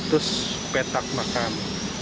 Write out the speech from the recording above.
dari seratus petak makam